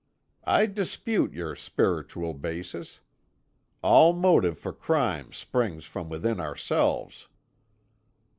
"I dispute your spiritual basis. All motive for crime springs from within ourselves."